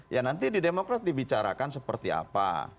ya nanti di demokrat dibicarakan seperti apa